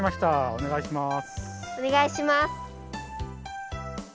おねがいします。